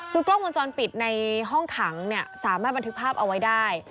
คือกล้องวงจรปิดในห้องขังสามารถบันทึกภาพเอาไว้ได้